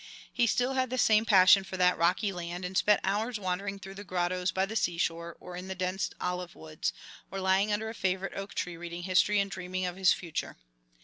He still had the same passion for that rocky land, and spent hours wandering through the grottoes by the seashore, or in the dense olive woods, or lying under a favorite oak tree reading history and dreaming of his future.